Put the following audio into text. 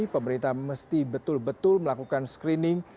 pemerintah mesti betul betul melakukan screening